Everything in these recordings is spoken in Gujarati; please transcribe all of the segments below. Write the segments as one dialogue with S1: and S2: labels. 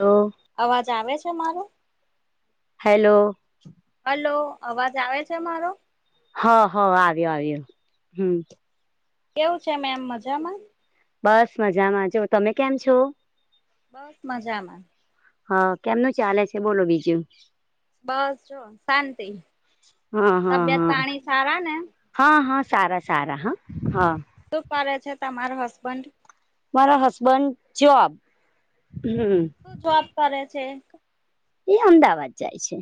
S1: તો
S2: અવાજ આવે છે મારો?
S1: હેલો.
S2: હલો, અવાજ આવે છે મારો?
S1: હા હ આવ્યો આવ્યો હમ્મ.
S2: કેવું છે મે એમ મજામાં
S1: બસ મજામાં, જો તમે કેમ છો.
S2: બસ મજામાં
S1: હા કેમનું ચાલે છે, બોલો બીજું
S2: બસ જો શાંતિ
S1: હા હા
S2: તબિયત
S1: હા
S2: પાણી સારા ને
S1: હા હા સારા સારા હ હા
S2: શું કરે છે તમારો હસબન્ડ
S1: મારા હસબન્ડ જોબ હમ્મ
S2: શું જોબ કરે છે.
S1: એ અમદાવાદ જાય છે.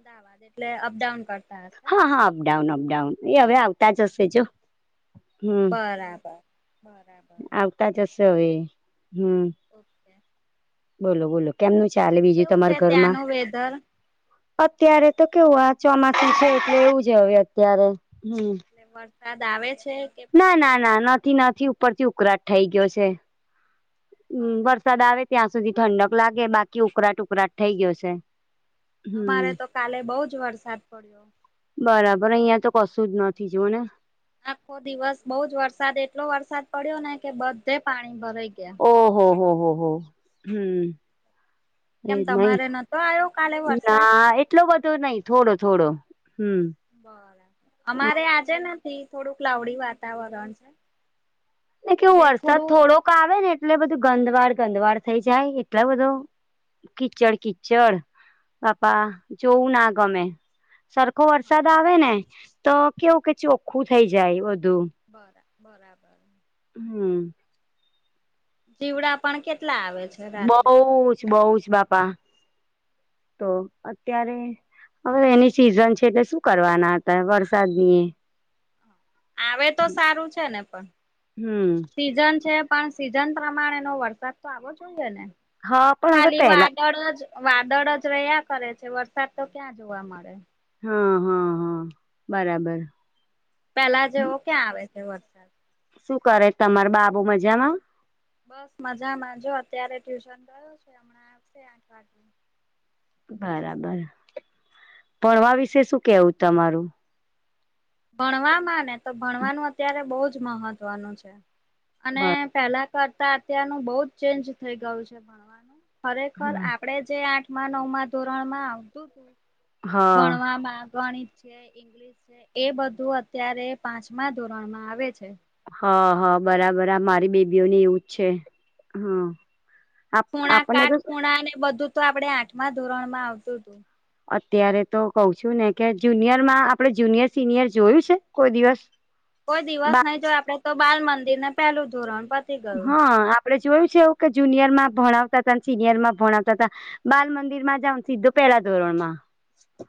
S2: અમદાવાદ એટલે અપડાઉન કરતા હશે ને
S1: હા હા અપડાઉન અપડાઉન એ હવે આવતા જ હશે જો હમ
S2: બરાબર બરાબર.
S1: આવતા જ‌ હશે હવે, હમ્મ
S2: ઓકે
S1: બોલો બોલો કેમનું ચાલે બીજું
S2: કેવું
S1: તમાર
S2: છે
S1: ઘરમાં
S2: ત્યાંનું વેધર
S1: અત્યારે તો કેવું આ ચોમાસું છે એટલે એવું જ હવે અત્યારે હમ્મ
S2: એટલે વરસાદ આવે છે. કે
S1: ના ના
S2: પછી
S1: ના નથી નથી ઉપરથી ઉકળાટ થઈ ગયો છે. હમ્મ
S2: બરાબર
S1: વરસાદ આવે ત્યાં સુધી ઠંડક લાગે બાકી ઉકરાટ ઉકરાટ થઇ ગયો છે. હમ
S2: અમારે તો કાલે બઉ જ વરસાદ પડ્યો.
S1: બરાબર અહિયાં તો કશું જ નથી જોવું ને
S2: આખો દિવસ બઉ જ વરસાદ એટલો વરસાદ પડ્યો ને કે બધે પાણી ભરાઈ ગયા.
S1: ઓહ હો હો હો હમ્મ એ
S2: કેમ
S1: નહીં,
S2: તમારે નતો આવ્યો કાલે વરસાદ?
S1: ના એટલો બધો નઈ થોડો થોડો હમ્મ
S2: બરાબર અમારે આજે નથી થોડું ક્લાઉડી વાતાવરણ છે.
S1: કેવું
S2: એટલે
S1: વરસાદ
S2: થોડું
S1: થોડોક આવે ને એટલે બધું ગંધવાર ગંધવાર થઈ જાય એટલે બધું કિચડ કિચડ, બાપા જોવું ના ગમે. સરખો વરસાદ આવે ને તો કેવું કે ચોખ્ખું થઈ જાય બધું
S2: બરા બરાબર
S1: હમ્મ
S2: જીવડા પણ કેટલા આવે છે. રાત્રે
S1: બહુ જ બહૂ જ બાપા તો અત્યારે હવે એની સિઝન છે એટલે શું કરવાના હતા વરસાદની એ
S2: આવે તો સારું છે ને પણ
S1: હમ
S2: સીઝન છે. પણ સીઝન પ્રમાણે નો વરસાદ તો આવો જોઈએ ને
S1: હા પણ હવે
S2: ખાલી
S1: પેલા
S2: વાદળ જ વાદળ જ રહ્યા કરે છે, વરસાદ તો ક્યાં જોવા મળે.
S1: હા હા હા બરાબર
S2: પેલા જેવો ક્યાં આવે છે વરસાદ
S1: શું કરે તમારૂ બાબુ મજામાં
S2: બસ મજામાં જો અત્યારે ટ્યુશન ગયો છે હમણાં આવશે આઠ વાગે
S1: બરાબર ભણવા વિશે શું કેવું તમારું.
S2: ભણવામાં ને તો ભણવાનું અત્યારે બહુ જ મહત્વનું છે અને
S1: બર
S2: પેલા તા અત્યારનું બહ જ ચેન્જ થઈ ગયું છે ભણવાનું ખરેખર
S1: હમ
S2: આપડે જે આ નવમાં ધોરણ માં આવતું હતું
S1: હા
S2: ભણવામાં ગણિત છે એ બધું અત્યારે પાંચમા ધોરણમાં આવે છે
S1: હા હા બરાબર આ મારી બેબીઓની એવું જ છે હા આપ
S2: ખૂણા
S1: આપણને
S2: કાટ
S1: તો
S2: ખૂણા અનેને બધું તો આપડે આઠમા ધોરણ માં આવતું હતું.
S1: અત્યારે તો કઉ છું ને કે જુનિયર માં આપડે જુનિયર સિનિયર જોયું છે કોઈ દિવસ [inaudible]
S2: કોઈ
S1: બા
S2: દિવસ નહી જો આપડે તો બાલ મંદિર ને પેલું ધોરણ ગયું.
S1: હા આપડે જોયું છે એવું જુનિયર માં ભણાવતા હતા અને સિનિયર માં ભણાવતા હતા બાલ મંદિર માં જ સીધો પેલા ધોરણ માં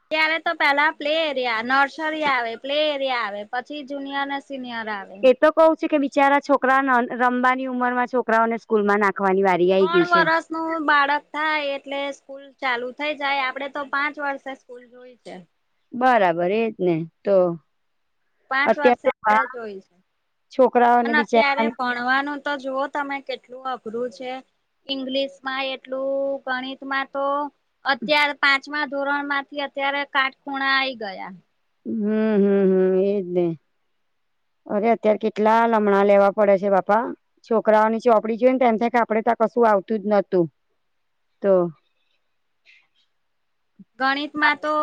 S2: ત્યારે તો પેલા પ્લે એરિયા નર્સરી આવે પ્લે એરિયા આવે પછી જુનિયર ને સિનિયર આવે
S1: એ તો કવું છે કે બિચારા છોકરા રમવાની ઉંમર માં છોકરાઓને સ્કૂલમાં નાખવાની વાત
S2: ત્રણ વરસ નું બાળક થાય એટલે સ્કૂલ ચાલુ થઈ જાય આપડે તો પાંચ વર્ષે સ્કૂલ [unintelligible]
S1: બરાબર એજ ને તો
S2: પાંચ
S1: અત્યારે તો બા
S2: વર્ષ જોય
S1: છોકરાઓને
S2: અને અત્યારે
S1: બિચારા
S2: ભ ભણવાનું તો જુઓ તમે કેટલું અઘરું છે ઈંગ્લિશ માં એટલું ગણિત માં તો અત્યારે પાંચમા ધોરણ માંથી અત્યારે કાટ ખૂણા આઈ ગયા
S1: હમ્મ હમ્મ હમ્મ એજને અરે અત્યારે કેટલા લમણા લેવા પડે છે બાપા છોકરાઓની ચોપડી જોઈ ને તેમ થાય આપડે તો કશું આવતું જ નતું તો
S2: ગણિતમાં તો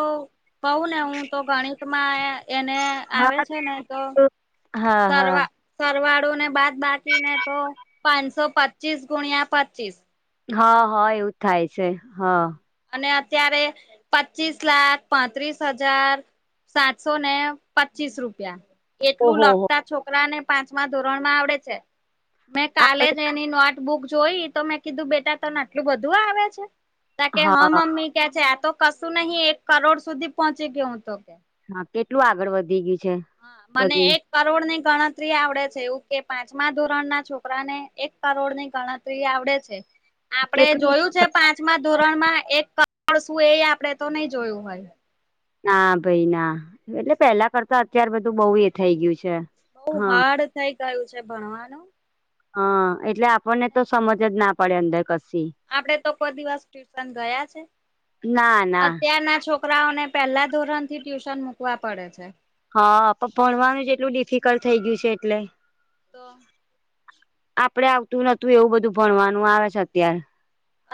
S2: કહું ને હું તો ગણિતમાં એને આવે
S1: હા
S2: છે ને તો
S1: હા હા
S2: સરવા સરવાળો ને બાદ બાકીને તો પાંચસો પચીસ ગુણ્યા પચીસ
S1: હા હા એવું થાય છે હા
S2: અને અત્યારે પચીસ લાખ પાંત્રીસ હજાર સાતસો ને પચીસ રૂપિયા એટલું
S1: ઓહો
S2: લખતા છોકરાને પાંચમા ધોરણ માં આવડે છે મેં કાલે
S1: આપડે
S2: જ એની નોટ બુક જોઈ તો મેં કીધું બેટા તને આટલું બધું આવે છે કે હ
S1: હા
S2: મમ્મી કે છે આ તો કશું નહી એક કરોડ સુધી પહોંચી ગય હુતો કે
S1: હા કેટલું આગળ વધી ગયું છે
S2: હા મને
S1: બધું
S2: એક કરોડ ની ગણતરી આવડે છે એવું કે પાંચમા ધોરણ ના છોકરા ને એક કરોડ ની ગણતરી ગણતરી આવડે છે આપડે જોયું છે પાંચમા ધોરણમાં એક કરડ શું એ આપડે તો નઈ જોયું હોય
S1: ના ભાઈ ના એટલે પેલા કરતા અત્યાર બધું બહુ એ થઇ ગયું છે
S2: બઉ
S1: હા
S2: હાર્ડ થઇ ગયું છે ભણવાનું
S1: હ એટલે આપણને તો સમજ જ ના પડે અંદર કશી
S2: આપડે તો કોઈ દિવસ ટ્યુશન ગયા છે
S1: ના ના
S2: અત્યારના છોકરા છોકરાઓને પહેલા ધોરણ થી ટ્યુશન મૂકવા પડે છે
S1: હા પણ ભણવાનું જ એટલું ડિફિકલ્ટ થઇ ગયું છે એટલે
S2: તો
S1: આપડે આવતું નહોતું એવું બધું ભણવાનું આવે છે અત્યારે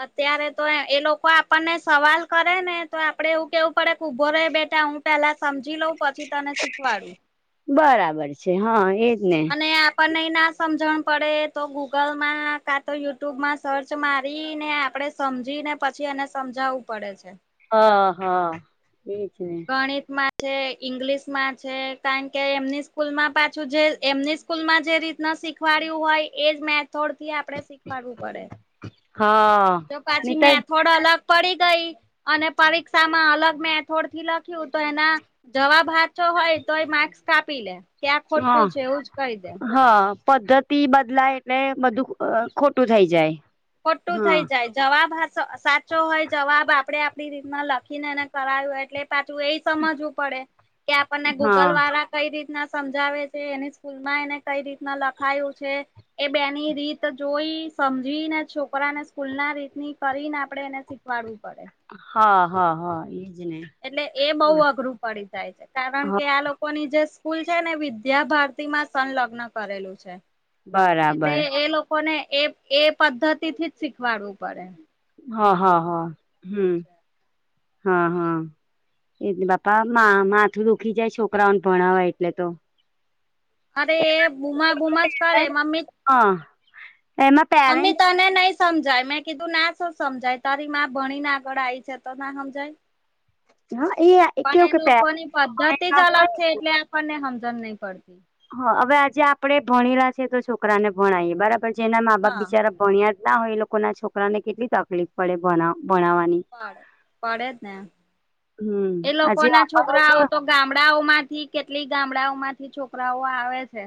S2: અત્યારે તો એ લોકો આપણને સવાલ કરે ને તો આપડે એવું કેવું પડે કે ઉભો રહેે બેઠા હું પેલા સમજી લઉં પછી તને શીખવાડું
S1: બરાબર છે હા એજ ને
S2: અને આપણને ના સમજણ પડે તો ગૂગલમાં કા તો યુટ્યુબમાં સર્ચ મારીને આપડે સમજીને પછી એને સમજાવવું પડે છે.
S1: હ હા એજ ને.
S2: ગણિતમાં છે ઈંગ્લિશમાં છે કારણ કે એમની સ્કૂલમાં પાછું જે એમની. સ્કૂલમાં જે રીત ન શીખવાડય્યું હોય એજ મેથોડ થી આપડે શીખવાડવું પડે.
S1: હા.
S2: તો પછી
S1: નહીતર
S2: મેંથોડ અલગ પડી ગઈ. અને પરીક્ષા માં અલગ મેથોડ થી લખ્યું તો એના જવાબ હાચો હોય તોય માર્ક્સ કાપી લે ક્યાં આ ખોટું છે એવું જ કહી દે.
S1: હ. પદ્ધતિ બદલાય એટલે બધું અ ખોટું થઈ જાય.
S2: ખોટું થાય
S1: હા
S2: જાય. જવાબ હાસો સાચો હોય જવાબ આપડે આપણી રીતમાં લખીને એને કરાવ્યું એટલે પાછું એજ સમજવું પડે કે આપણને ગૂગલ
S1: હા
S2: વાળા કઈ રીતના સમજાવે છે એની સ્કૂલ માં એને કઈ રીતના લખાયું છે. એ બેની રીત જોઈ સમજીવીને છોકરાને સ્કૂલ ના રીતની કરીને આપણેે એને શીખવાડવું પડે.
S1: હા હા હા ઇજ ને.
S2: એટલે એ બહુ અઘરું પડી જાય છે કારણ કે
S1: હા
S2: આ લોક લોકોની જે સ્કૂલ છે ને વિદ્યાભારતી માં સંલગ્ન કરેલું છે. એટલે
S1: બરાબર
S2: એ લોકોને એ એ પદ્ધતિ થી જ શીખવાડવું પડે.
S1: હા હા હા
S2: એવું
S1: હમ્મ
S2: છે
S1: હા હા ઇજને બાપા મા માથું દુખી જાય છોકરાઓને ભણાવાય એટલે તો.
S2: અરે એ બૂમા બૂમાજ કરે મમ્મી.
S1: આહ
S2: મમ્મી તને નહિ સમજાય, મેં કીધું ના શુ સમજાય? તારી માં ભણીને આગળ આઇ છે તો ના હમજાય.
S1: હા એ કેવું
S2: પણ
S1: કે
S2: એ લોકોની પદ્ધતિ જ
S1: ભણેલા
S2: અલગ
S1: હોય
S2: છે એટલે આપણને સમજણ નહી પડતી.
S1: હ હવે આજે આપડે ભણીરા છે તો છોકરાને ભણાયે બરાબર જેના મા બાપ
S2: હા
S1: બિચારા ભણ્યા જ ના હોય એ લોકો ના છોકરાને કેટલી તકલીફ પડે ભણા ભણાવાની.
S2: પડે પડેજ ને
S1: હમ
S2: એ લોકો
S1: આજે
S2: ના
S1: આપડો
S2: છોકરાઓ
S1: છે
S2: તો. ગામડાઓ માંથી કેટલી ગામડાઓ માંથી છોકરાઓ આવે છે.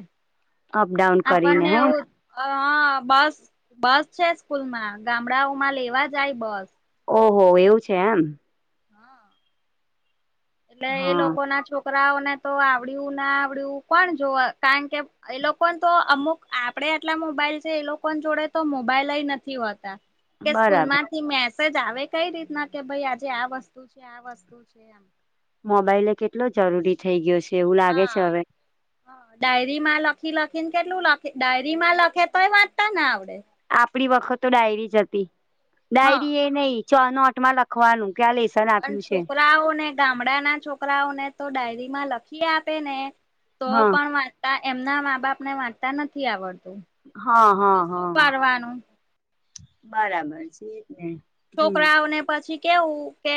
S1: અપડાઉન કરીને
S2: આપણને
S1: હે ને.
S2: એવુંત અહ બસ બસ છે સ્કૂલમાં, ગામડાઓમાં લેવા જાય બસ.
S1: ઓહો એવું છે એમ.
S2: હા. એટલે એ
S1: હા
S2: લોકો ના છોકરાઓને તો આવડ્યું ના આવડ્યું કોણ જોવા કારણકે. એ લોકોન તો અમુક આપડે આટલા મોબાઈલ છે એ લોકો જોડે તો મોબાઈલય નથી હોતા. કે સ્કૂલ
S1: બરાબર
S2: માંથી મેસેજ આવે કઈ રીતના કે ભાઈ આજે આ વસ્તુ છે આ વસ્તુ છે આમ.
S1: મોબાઈલ એ કેટલો જરૂરી થઈ ગયો છે એવું લાગે છે હવે.
S2: ડાયરી માં લખી લખીને કેટલું લખે ડાયરી માં લખે તોએ વાંચતા ને આવડે.
S1: આપડી વખત તો ડાયરી જ હતી,
S2: હા
S1: ડાયરી એ નહઈ છ નોટમાં લખવાનું. ક્યાં લેશન આપ્યું છે.
S2: ગામડા ના છોકરાઓને તો ડાયરીમાં લખી આપે ને તો
S1: હા
S2: પણ વા તા એમના મા બાપ ને વાંચતા નથી આવડતું.
S1: હા હા
S2: તો શું
S1: હા
S2: કરવાનું
S1: બરાબર છે એજને.
S2: છોકરાઓને પછી કેવું કે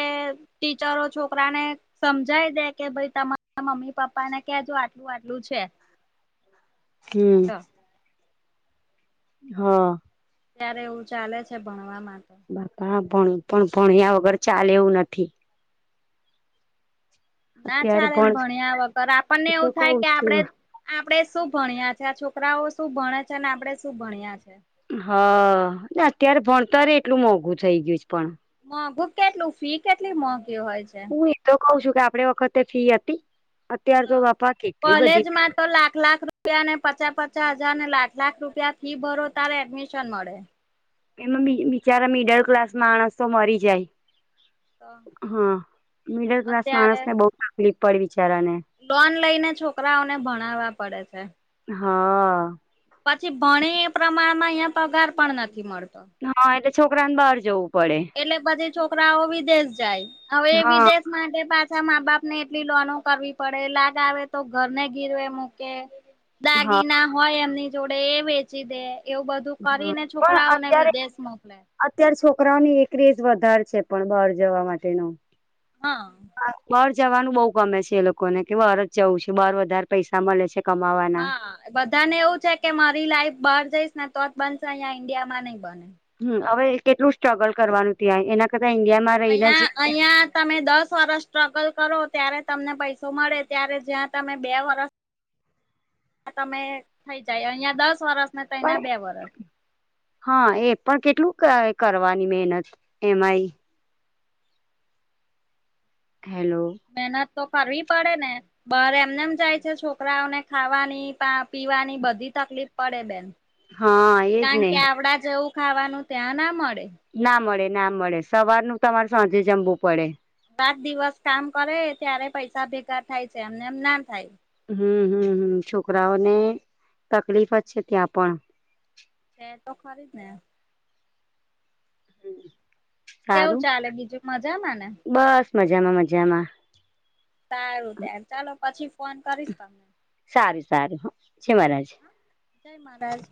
S2: ટીચરો છોકરાને. સમજાઈ દે કે ભાઈ તમારા મમ્મી પપ્પાને કેજો આટલું આટલું છે.
S1: હમ્મ
S2: જો
S1: હા.
S2: ત્યારે એવું ચાલે છે ભણવા માટે તો.
S1: બાપા ભણ પણ ભણ્યાયા વગર ચાલે એવું નથી
S2: ના
S1: અત્યારે
S2: ચાલે ને
S1: ભણ
S2: ભણ્યા વગર આપણને
S1: તો
S2: એવું થાય
S1: કઉ
S2: કે
S1: છું
S2: આપડે આપડે શું ભણ્યા છે, આ છોકરાઓ શું ભણે છે, અને આપડે શું ભણ્યા છે.
S1: હઅ અત્યારે ભણત એટલું મોંઘું થઇ ગયું છે પણ.
S2: મોઘું કેટલું ફી કેટલી મોઘી હોય છે.
S1: હું એ તો કઉ છું કે આપડ વખતે ફી હતી અત્યાર તો બાપા કેટલી બધી
S2: કોલેજમાં તો લાખ લાખ રૂપિયા ને પચાસ પચાસ હજાર ને લાખ લાખ રૂપિયા ફી ભરો તારે એડમિશન મળે
S1: એમાં બિચારા મિડલ ક્લાસ માણસ તો મરી જાય
S2: તો
S1: હા મિડલ ક્લાસ
S2: અત્યારે
S1: માણસ ને બહુ તકલીફ પડી બિચારાને
S2: લોન લઈને છોકરાઓને ભણાવવા પડે છે.
S1: હા
S2: પછી ભણે એ પ્રમાણમાં અહીં પગાર પણ નથી મળતો.
S1: હા એટલે છોકરા ને બહાર જવું પડે.
S2: એટલે બધી છોકરાઓ વિદેશ જાય હવે એ
S1: હા
S2: વિદેશ માટે પાછા મા બાપ ને એટલી લોનો કરવી પડે લાડ આવે તો ઘર ને ગીરવે મૂકે.
S1: હા
S2: દાગી ના હોય એમની જોડે એ વેચી દે એવું બધું.
S1: હા
S2: કરીને
S1: પણ
S2: છોકરાઓને
S1: અત્યારે
S2: વિદેશ મોકલે.
S1: અત્યારે છોકરાઓન એકરેજ વધારે છે પણ બહાર જવા માટેનો.
S2: હા
S1: બહાર જવાનું બઉુ ગમે છે એ લોકોને કે બર જ જવું છે બહાર વધારે પૈસા મળે છે. કમાવાના
S2: હા બધાને એવું છે કે મારી લાઈફ બહાર જઈશ ને તો જ બનશે અહં ઈન્ડિયા માં નઈ બને.
S1: હમ હવે કેટલું સ્ટ્રગલ કરવાનું ત્યાં એના કરતાં ઇન્ડિયા
S2: અહીંયા અહીંયા તમે દસ વર્ષ સ્ટ્રગલ કરો ત્યારે તમને પૈસો મળે ત્યારે જ્યાં તમે બે વર્ષ આ તમે થઇ જાય અહિયાં દસ વર્ષ
S1: પણ હા એ પણ કેટલું કર કરવાની મહેનત એમાંય. હેલો
S2: મહેનત તો કરવી પડે ને. બર એમને એમ જાય છે છોકરાઓને ખાવાની પીવાની બધી તકલીફ પડે બેન.
S1: હા એજ
S2: કારણ
S1: ને
S2: કે આવડા જેવું ખાવાનું ત્યાં ના મળે.
S1: ના મળે ના મળે સવારનું તમારે સાંજે જમવું પડે.
S2: સાત દિવસ કામ કરે ત્યારે પૈસા ભેગા થાય છે એમને એમ ના થાય.
S1: હમ હમ હમ છોકરાઓને તકલીફ જ છે ત્યાં પણ.
S2: છે તો ખરી જ ને કેવું
S1: સારું
S2: ચાલે બીજું મજામાં ને
S1: બસ મજામાં મજામાં
S2: સારું ત્યારે ચાલો પછી ફોન કરીશ તમને
S1: સારું સારું હ જય મહારાજ
S2: જય મહારાજ